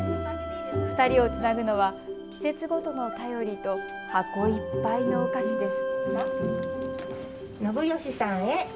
２人をつなぐのは季節ごとの便りと箱いっぱいのお菓子です。